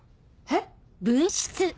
えっ？